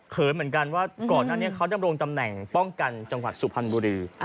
เหมือนกันว่าก่อนหน้านี้เขาดำรงตำแหน่งป้องกันจังหวัดสุพรรณบุรี